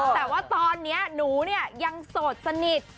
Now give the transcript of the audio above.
แต่ว่าตอนนี้หนูเนี่ยยังโสดสนิท